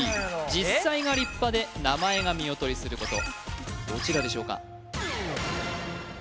実際が立派で名前が見おとりすることどちらでしょうか？